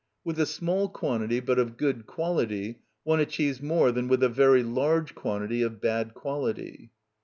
With a small quantity, but of good quality, one achieves more than with a very large quantity of bad quality.